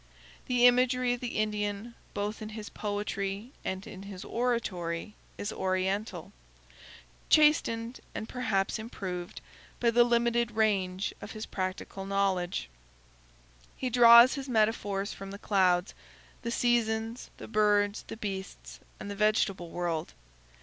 The imagery of the Indian, both in his poetry and in his oratory, is oriental; chastened, and perhaps improved, by the limited range of his practical knowledge. He draws his metaphors from the clouds, the seasons, the birds, the beasts, and the vegetable world.